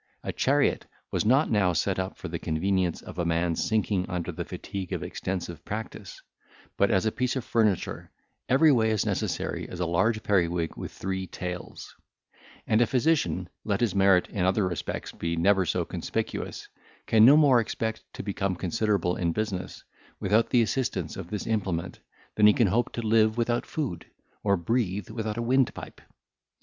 A chariot was not now set up for the convenience of a man sinking under the fatigue of extensive practice, but as a piece of furniture every way as necessary as a large periwig with three tails; and a physician, let his merit, in other respects, be never so conspicuous, can no more expect to become considerable in business, without the assistance of this implement, than he can hope to live without food, or breathe without a windpipe.